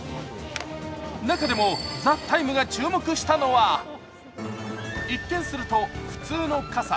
中でも「ＴＨＥＴＩＭＥ，」が注目したのは一見すると普通の傘。